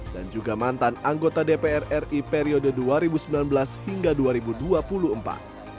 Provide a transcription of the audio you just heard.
dan juga mantan anggota dpr ri periode dua ribu sembilan belas hingga dua ribu dua puluh empat